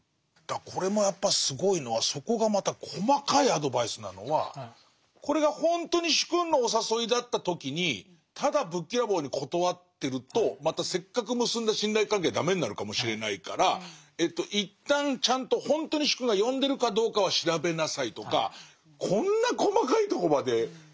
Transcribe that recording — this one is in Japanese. これもやっぱすごいのはそこがまた細かいアドバイスなのはこれがほんとに主君のお誘いだった時にただぶっきらぼうに断ってるとまたせっかく結んだ信頼関係が駄目になるかもしれないから一旦ちゃんとほんとに主君が呼んでるかどうかは調べなさいとかこんな細かいとこまでできます？